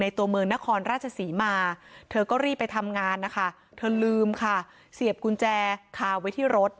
ตัวเมืองนครราชศรีมาเธอก็รีบไปทำงานนะคะเธอลืมค่ะเสียบกุญแจคาไว้ที่รถ